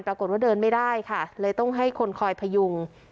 ปรากฏว่าเดินไม่ได้ค่ะเลยต้องให้คนคอยพยุง